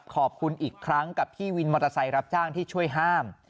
ขอบคุณอีกครั้งกับพี่วินมอเตอร์ไซค์รับจ้างที่ช่วยห้าม